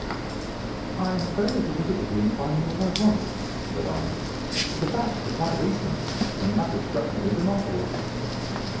"I have very little difficulty in finding what I want," said I, "for the facts are quite recent, and the matter struck me as remarkable.